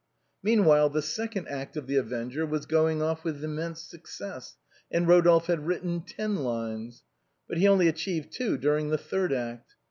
Meanwhile the second act of " The Avenger " was going off with immense success, and Eo dolphe had written ten lines. But he only achieved two during the third act.